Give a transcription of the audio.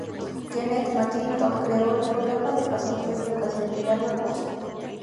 Kenneth McClintock, creó el ""Programa de Pasantías de Educación Pilar Barbosa"".